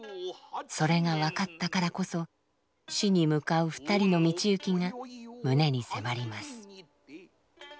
それが分かったからこそ死に向かう２人の道行きが胸に迫ります。